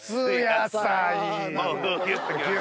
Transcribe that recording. もうギュっときました。